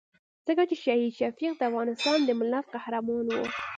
ځکه چې شهید شفیق د افغانستان د ملت قهرمان وو.